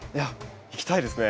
行きたいですね。